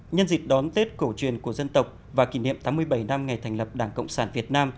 nhân dịp đón tết cổ truyền của dân tộc và kỷ niệm tám mươi bảy năm ngày thành lập đảng cộng sản việt nam